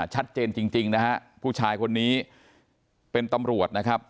ชัดเจนจริงนะฮะผู้ชายคนนี้เป็นตำรวจนะครับ